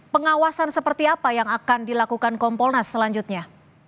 pengawasan seperti apa yang akan dilakukan kompolnas selanjutnya